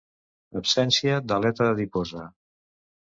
Absència d'aleta adiposa.